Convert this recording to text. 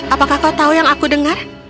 apakah kau tahu yang aku dengar